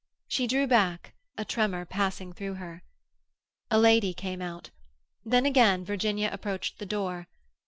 She drew back, a tremor passing through her. A lady came out. Then again Virginia approached the door.